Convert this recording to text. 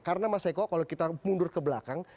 karena mas eko kalau kita mundur ke belakang